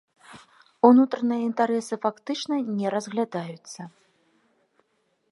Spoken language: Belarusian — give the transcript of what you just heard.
Унутраныя інтарэсы фактычна не разглядаюцца.